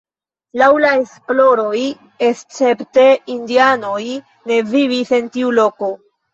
Laŭ la esploroj escepte indianoj ne vivis en tiu loko.